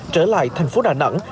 trở lại thành phố đà nẵng